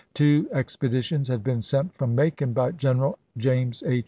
Two expeditions had been sent from Macon by General James H.